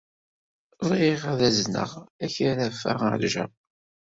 Bɣiɣ ad azneɣ akaraf-a ɣer Japun.